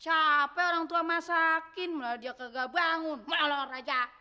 capek orang tua masakin malah dia kagak bangun malam aja